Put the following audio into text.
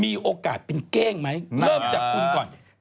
มีโอกาสเป็นเก้งไหมเริ่มจากคุณก่อน